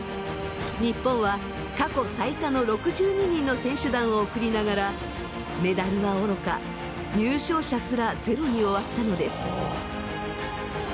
日本は過去最多の６２人の選手団を送りながらメダルはおろか入賞者すらゼロに終わったのです。